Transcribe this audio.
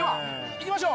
いきましょう。